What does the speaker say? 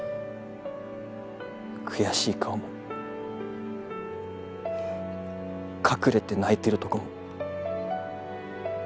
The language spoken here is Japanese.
悔しい顔も隠れて泣いてるとこも。